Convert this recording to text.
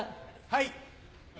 はい。